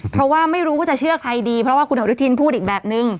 เพราะว่าไม่รู้ว่าจะเชื่อใครดีเพราะว่าคุณอนุทินพูดอีกแบบนึง